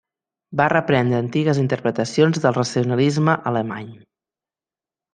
Va reprendre antigues interpretacions del racionalisme alemany.